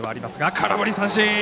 空振り三振！